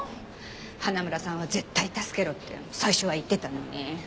花村さんは絶対助けろって最初は言ってたのに。